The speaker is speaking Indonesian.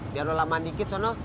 biar lama dikit sana